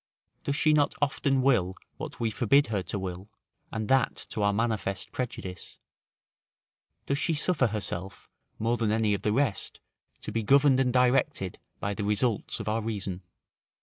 Does she not often will what we forbid her to will, and that to our manifest prejudice? Does she suffer herself, more than any of the rest, to be governed and directed by the results of our reason?